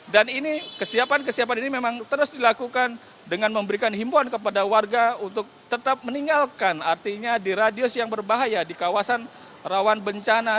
dan ini kesiapan kesiapan ini memang terus dilakukan dengan memberikan himpuan kepada warga untuk tetap meninggalkan artinya di radius yang berbahaya di kawasan rawan bencana